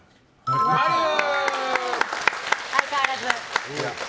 相変わらず。